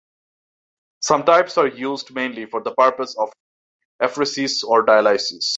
Some types are used mainly for the purpose of apheresis or dialysis.